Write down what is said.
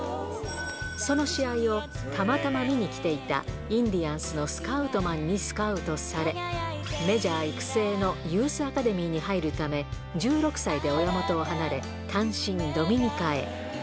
その試合をたまたま見に来ていたインディアンスのスカウトマンにスカウトされ、メジャー育成のユースアカデミーに入るため、１６歳で親元を離れ、単身、ドミニカへ。